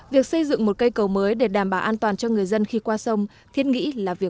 việc xây dựng một cây cầu mới để đảm bảo an toàn cho người dân khi qua sông thiết nghĩ là việc vô cùng cấp thiết